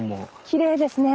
きれいですね。